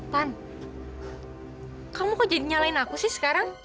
tan kamu kok jadi nyalain aku sih sekarang